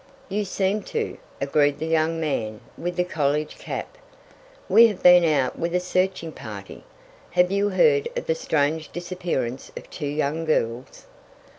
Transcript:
"You seem to," agreed the young man with the college cap. "We have been out with a searching party. Have you heard of the strange disappearance of two young girls?"